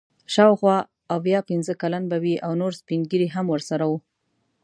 شاوخوا اویا پنځه کلن به وي او نور سپین ږیري هم ورسره وو.